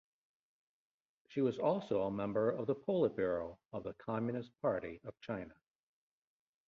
She was also a member of the Politburo of the Communist Party of China.